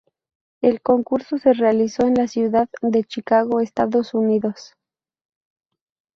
El concurso se realizó en la ciudad de Chicago, Estados Unidos.